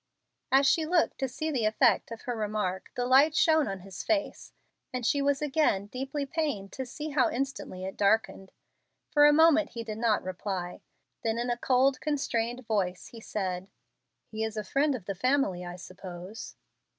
As she looked to see the effect of her remark the light shone on his face, and she was again deeply pained to see how instantly it darkened. For a moment he did not reply; then in a cold, constrained voice, he said, "He is a friend of the family, I suppose."